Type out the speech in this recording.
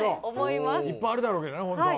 いっぱいあるだろうけどねホントは。